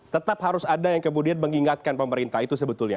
tetap harus ada yang kemudian mengingatkan pemerintah itu sebetulnya